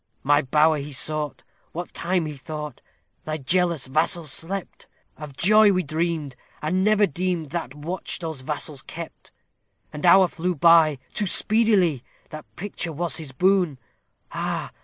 "My bower he sought, what time he thought thy jealous vassals slept, Of joy we dreamed, and never deemed that watch those vassals kept; An hour flew by, too speedily! that picture was his boon: Ah!